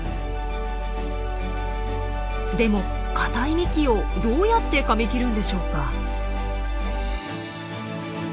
でも硬い幹をどうやってかみ切るんでしょうか。